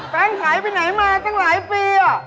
แป้งขายไปไหนมาตั้งหลายปี